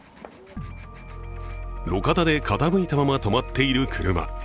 路肩で傾いたまま止まっている車。